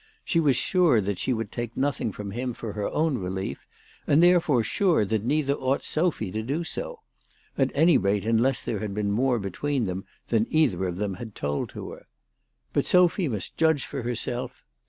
She was sure that she would take nothing from him for her own relief, and therefore sure that neither ought Sophy to do so, at any rate unless there had been more between them than either of them had told to her. But Sophy must judge for herself.